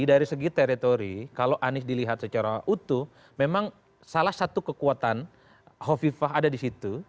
jadi kalau teritori kalau anies dilihat secara utuh memang salah satu kekuatan hovifah ada di situ